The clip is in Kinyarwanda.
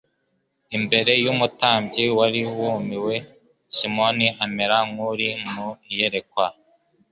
Imbere y'umutambyi wari wumiwe, Simoni amera nk'uri mu iyerekwa.